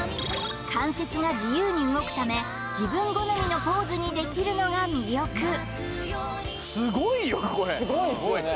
関節が自由に動くため自分好みのポーズにできるのが魅力すごいよこれ！・すごいですよね